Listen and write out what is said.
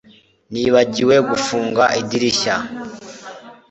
Nibagiwe gufunga idirishya